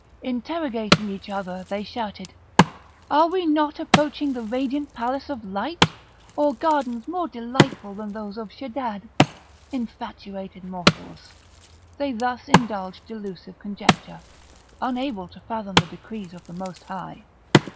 Interrogating each other, they shouted, "Are we not approaching the radiant palace of light? or gardens more delightful than those of Sheddad?" Infatuated mortals! they thus indulged delusive conjecture, unable to fathom the decrees of the Most High!